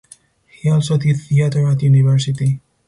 He also did theatre at University.